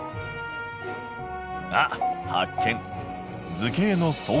あっ発見！